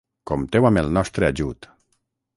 Compteu amb el nostre ajut.